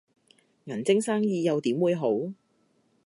銀晶生意又點會好